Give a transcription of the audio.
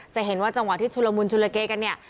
จะเห็นว่าจังหวะที่ชุลมุนชุลเกกันเนี่ย